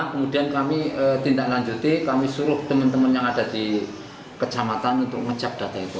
kemudian kami tindak lanjuti kami suruh teman teman yang ada di kecamatan untuk ngecek data itu